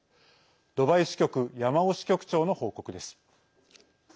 ドバイ支局山尾支局長の報告です。